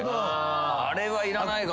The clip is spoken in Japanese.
あれはいらないかな。